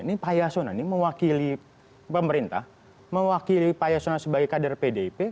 ini pak yasona ini mewakili pemerintah mewakili pak yasona sebagai kader pdip